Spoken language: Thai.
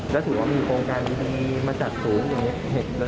แล้วถูกว่ามีโครงการที่มีมาจัดศูนย์อย่างนี้